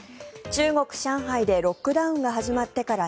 中国・上海でロックダウンが始まってから